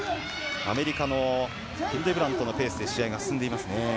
アメリカのヒルデブラントのペースで試合が進んでいますね。